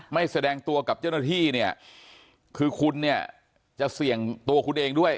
แสดงตัวกับเจ้าหน้าที่เนี่ยคือคุณเนี่ยจะเสี่ยงตัวคุณเองด้วย